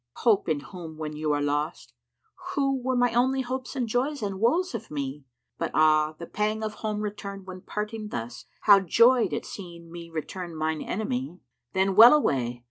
hope in whom when you are lost? * Who were my only hopes and joys and woes of me? But ah, the pang of home return when parting thus! * How joyed at seeing me return mine enemy. Then well away!